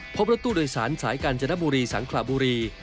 พบรถตู้โดยสารสายกาญจนบุรีสังขระบุรี